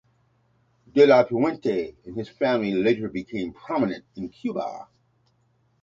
De la Puente and his family later became prominent in Cuba.